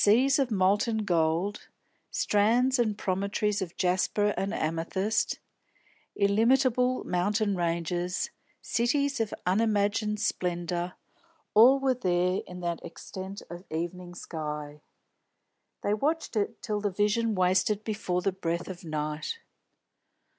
Seas of molten gold, strands and promontories of jasper and amethyst, illimitable mountain ranges, cities of unimagined splendour, all were there in that extent of evening sky. They watched it till the vision wasted before the breath of night.